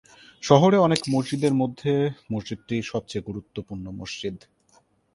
শহরের অনেক মসজিদের মধ্যে মসজিদটি সবচেয়ে গুরুত্বপূর্ণ মসজিদ।